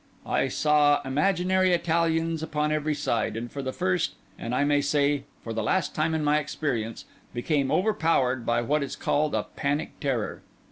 I saw imaginary Italians upon every side; and for the first, and, I may say, for the last time in my experience, became overpowered by what is called a panic terror.